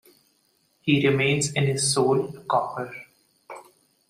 He remains in his soul a copper.